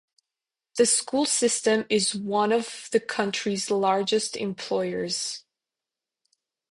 The school system is one of the county's largest employers.